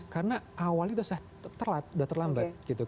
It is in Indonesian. karena awalnya itu sudah terlambat